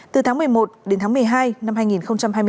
từ tháng một mươi một đến tháng một mươi hai năm hai nghìn một mươi hai